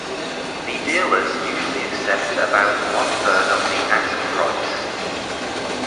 The dealers usually accept about one third of the ask price.